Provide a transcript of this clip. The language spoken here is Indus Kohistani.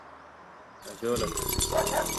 ”ہجو لکھ“